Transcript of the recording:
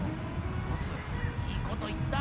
ボスいいこと言った！